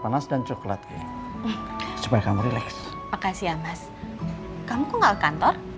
nanti gue ke kantor